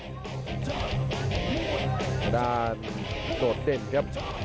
ประดาษโดดเด่นครับ